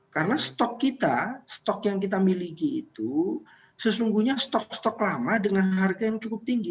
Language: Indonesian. karena stok kita stok yang kita miliki itu sesungguhnya stok stok lama dengan harga yang cukup tinggi